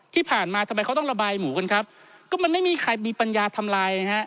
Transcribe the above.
ที่ผ่านมาทำไมเขาต้องระบายหมูกันครับก็มันไม่มีใครมีปัญญาทำลายฮะ